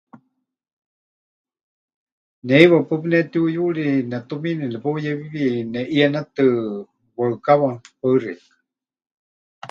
Ne heiwa paɨ pɨnetiuyuri, netumiini nepeuyéwiwi neʼienetɨ waɨkawa. Paɨ xeikɨ́a.